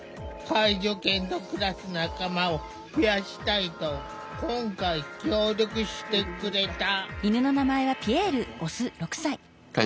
介助犬と暮らす仲間を増やしたいと今回協力してくれた。